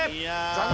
残念！